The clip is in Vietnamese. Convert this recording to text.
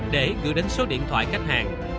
để gửi đến số điện thoại khách hàng